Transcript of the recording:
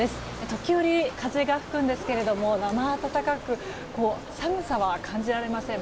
時折、風が吹くんですが生暖かく寒さは感じられません。